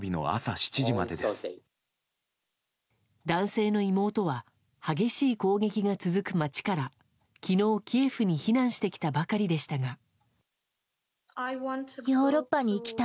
男性の妹は激しい攻撃が続く街から昨日キエフに避難してきたばかりでしたが。